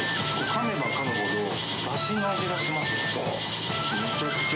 かめばかむほどだしの味がしますね。